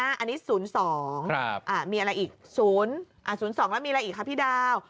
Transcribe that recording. อันนี้๐๒มีอะไรอีก๐๒แล้วมีอะไรอีกคะพี่ดาว